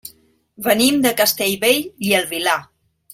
Venim de Castellbell i el Vilar.